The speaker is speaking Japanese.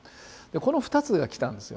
この２つが来たんですよ。